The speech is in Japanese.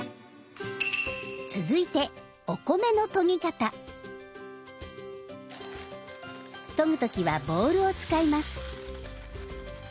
続いてとぐ時はボウルを使います。